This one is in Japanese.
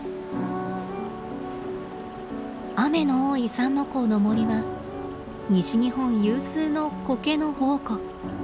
雨の多い三之公の森は西日本有数のコケの宝庫。